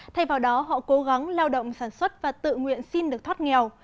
thay vào đó họ cố gắng lao động sản xuất và tự nguyện xin được thoát nghèo